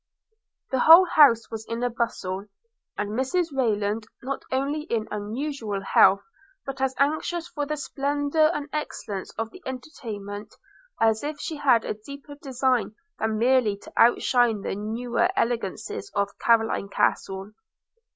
The whole house was in a bustle – and Mrs Rayland not only in unusual health, but as anxious for the splendour and excellence of the entertainment, as if she had a deeper design than merely to outshine the newer elegancies of Carloraine Castle.